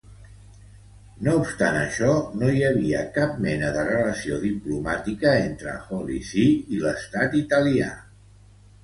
No obstant això, no hi havia cap mena de relació diplomàtica entre Holy See i l'estat italià.